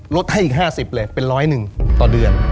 ลดให้อีก๕๐เลยเป็น๑๐๑ต่อเดือน